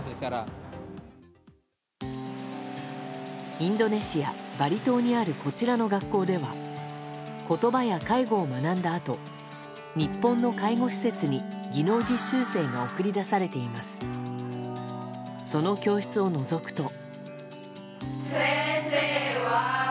インドネシア・バリ島にあるこちらの学校では言葉や介護を学んだあと日本の介護施設に技能実習生が送り出されています。